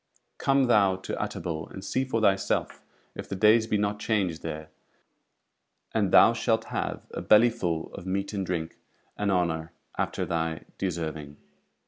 Come thou to Utterbol and see for thyself if the days be not changed there; and thou shalt have a belly full of meat and drink, and honour after thy deserving."